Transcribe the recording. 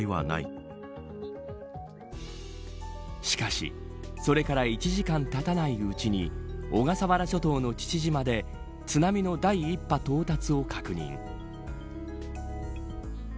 しかしそれから１時間たたないうちに小笠原諸島の父島で津波の第１波到達を確認。